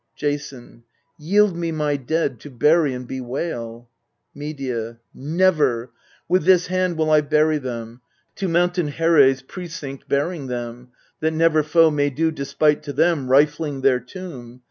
Jason. Yield me my dead to bury and bewail. Medea. Never : with this hand will I bury them, To Mountain Here's precinct bearing them, That never foe may do despite to them, Rifling their tomb.